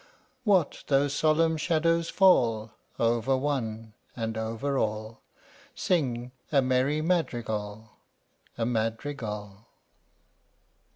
What though solemn shadows fall Over one and over all, Sing a merry madrigal A Madrigal!